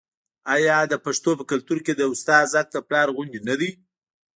آیا د پښتنو په کلتور کې د استاد حق د پلار غوندې نه دی؟